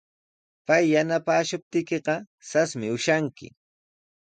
Pay yanapaashuptiykiqa rasmi ushanki.